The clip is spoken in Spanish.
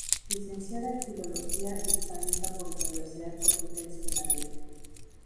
Licenciada en Filología Hispánica por la Universidad Complutense de Madrid.